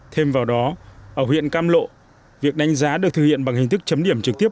thêm vào đó ở huyện cam lộ việc đánh giá được thực hiện bằng hình thức chấm điểm trực tiếp